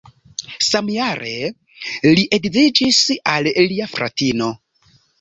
Samjare li edziĝis al lia fratino.